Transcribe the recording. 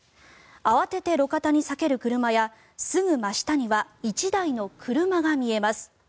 慌てて路肩に避ける車やすぐ真下には１台の車が見えます。